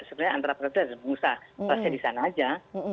sebenarnya antara mereka adalah pengusaha pasti di sana aja